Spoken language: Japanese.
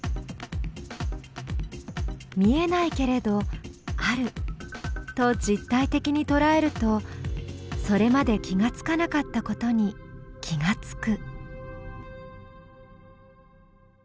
見えないけれどあると実体的にとらえるとそれまで気が付かなかったことに気が付く。